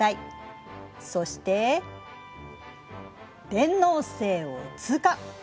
そして天王星を通過。